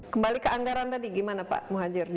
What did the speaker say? kembali ke anggaran tadi gimana pak muhajir